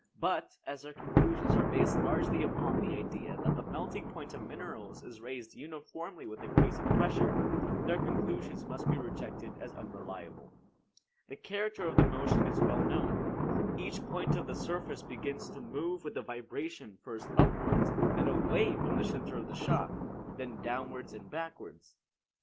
But, as their conclusions are based largely upon the idea that the melting point of minerals is raised uniformly with increasing pressure, their conclusions must be rejected as unreliable. The character of the motion is well known. Each point of the surface begins to move with the vibration first upwards, then away from the center of shock, then downward and backwards.